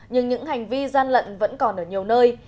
nhưng những hành vi gian lận vẫn còn ở nhiều nơi